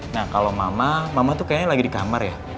nah kalau mama mama tuh kayaknya lagi di kamar ya